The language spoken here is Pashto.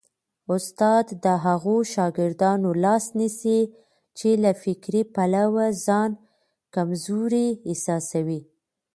استاد د هغو شاګردانو لاس نیسي چي له فکري پلوه ځان کمزوري احساسوي.